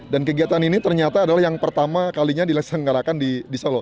dan kegiatan ini ternyata adalah yang pertama kalinya dilaksanakan di solo